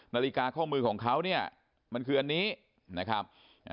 นาฬิกาข้อมือของเขาเนี่ยมันคืออันนี้นะครับ